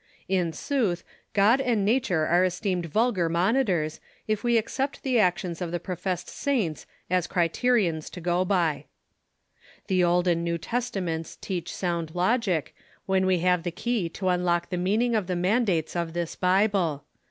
In sooth, God and nature are esteemed vulgar monitors, if we accept the actions of the professed saints as cri^rious to go by. The Old and New Testaments teach sound logic, when we have the key to unlock the meaning of the mandates of this Bible.